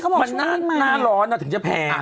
มันหน้าร้อนถึงจะแพง